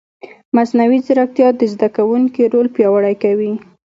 مصنوعي ځیرکتیا د زده کوونکي رول پیاوړی کوي.